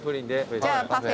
じゃあパフェ。